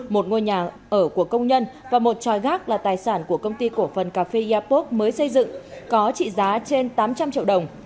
một ngôi nhà ở của công nhân và một tròi gác là tài sản của công ty cổ phần cà phê eapop mới xây dựng có trị giá trên tám trăm linh triệu đồng